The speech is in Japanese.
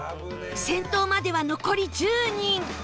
先頭までは残り１０人